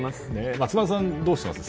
松丸さんはどうしてますか。